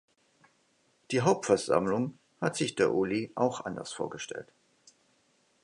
Die Hautversammlung hat sich der Uli auch anders vorgestellt.